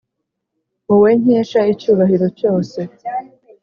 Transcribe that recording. Wowe nkesha icyubahiro cyose